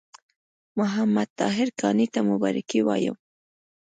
محمد طاهر کاڼي ته مبارکي وایم.